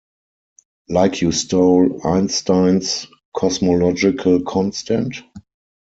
Like you stole Einstein's cosmological constant?